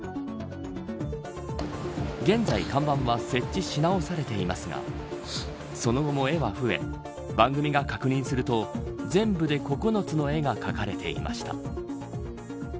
現在、看板は設置し直されていますがその後も絵は増え番組が確認すると全部で９つの絵が描かれていました。